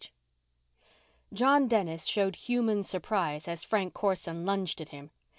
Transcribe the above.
13 John Dennis showed human surprise as Frank Corson lunged at him.